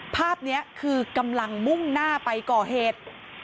ภาพนี้คือกำลังมุ่งหน้าไปก่อเหตุ